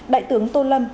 đại tướng tôn lâm